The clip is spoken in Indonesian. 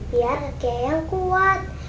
biar rakyat yang kuat